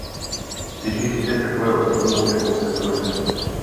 Těžiště takového stromu je v ose kmene.